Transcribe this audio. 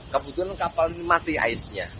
kebetulan kapal ini mati aisnya